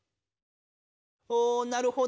おなるほど。